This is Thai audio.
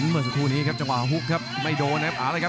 เมื่อสักครู่นี้ครับจังหวะฮุกครับไม่โดนนะครับ